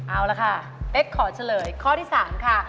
เอาละค่ะเป๊กขอเฉลยข้อที่๓ค่ะ